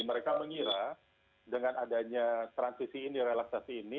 mereka mengira dengan adanya transisi ini relaksasi ini